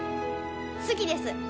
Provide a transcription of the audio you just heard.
好きです。